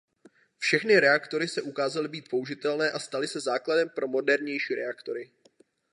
Všechny reaktory se ukázaly být použitelné a staly se základem pro modernější reaktory.